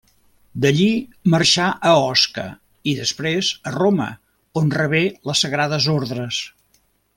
D'allí marxà a Osca i després a Roma, on rebé les sagrades ordres.